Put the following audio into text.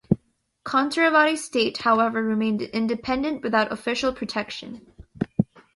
Kantarawadi state, however, remained independent without official protection.